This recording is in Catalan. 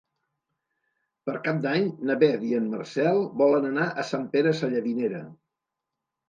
Per Cap d'Any na Beth i en Marcel volen anar a Sant Pere Sallavinera.